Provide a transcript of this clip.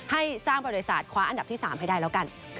ให้สร้างบริษัทคว้าอันดับที่๓ให้ได้แล้วกัน